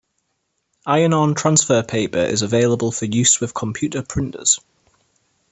Iron-on transfer paper is available for use with computer printers.